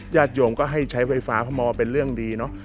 ญาติโยมก็ให้ใช้ไฟฟ้าเพราะมองเป็นเรื่องดีเนอะ